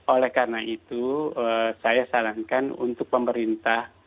oleh karena itu saya sarankan untuk pemerintah